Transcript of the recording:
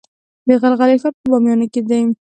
د غلغلې ښار په بامیان کې دی